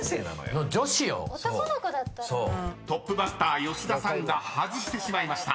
［トップバッター吉田さんが外してしまいました］